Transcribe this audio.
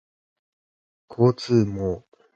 交通網